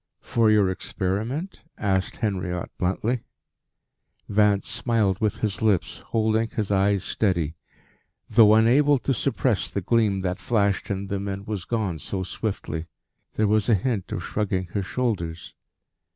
"For your experiment?" asked Henriot bluntly. Vance smiled with his lips, holding his eyes steady, though unable to suppress the gleam that flashed in them and was gone so swiftly. There was a hint of shrugging his shoulders.